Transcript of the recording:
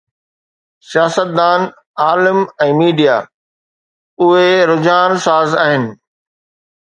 سياستدان، عالم ۽ ميڊيا، اهي رجحان ساز آهن.